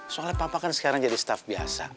soalnya papa kan sekarang jadi staff biasa